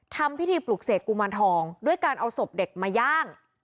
ทำพิธีปลุกเสกกุมารทองด้วยการเอาศพเด็กมาย่าง